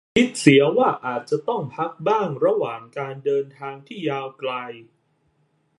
คิดเสียว่าอาจจะต้องพักบ้างระหว่างการเดินทางที่ยาวไกล